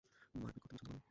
মারাপিট করতে পছন্দ করো।